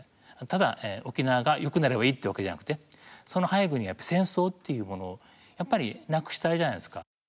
ただ沖縄がよくなればいいというわけじゃなくてその背後に戦争っていうものやっぱりなくしたいじゃないですか。